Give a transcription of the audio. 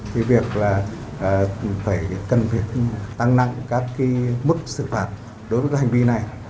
thực ra là phải cần việc tăng nặng các mức xử phạt đối với hành vi này